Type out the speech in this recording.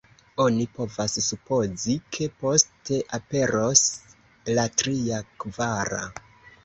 Oni povas supozi, ke poste aperos la tria, kvara.